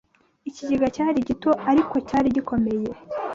Ikigega cyari gito, ariko cyari gikomeye.